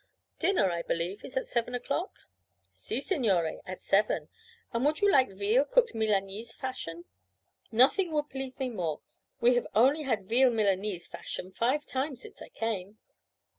Dinner, I believe, is at seven o'clock?' 'Si, signore, at seven; and would you like veal cooked Milanese fashion?' 'Nothing would please me more. We have only had veal Milanese fashion five times since I came.'